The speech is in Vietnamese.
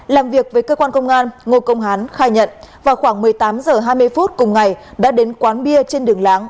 làm việc với cơ quan công an ngô công hán khai nhận vào khoảng một mươi tám h hai mươi phút cùng ngày đã đến quán bia trên đường láng